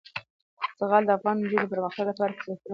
زغال د افغان نجونو د پرمختګ لپاره فرصتونه برابروي.